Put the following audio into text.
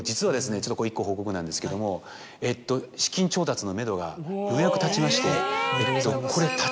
ちょっと１個報告なんですけども資金調達のめどがようやく立ちましてこれ。